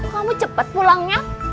kamu cepet pulangnya